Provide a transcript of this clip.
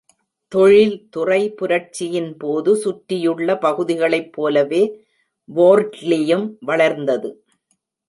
தொழில்துறை புரட்சியின் போது சுற்றியுள்ள பகுதிகளைப் போலவே வோர்ட்லியும் வளர்ந்தது.